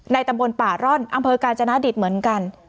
ตำบลป่าร่อนอำเภอกาญจนาดิตเหมือนกัน